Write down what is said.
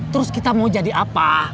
terus kita mau jadi apa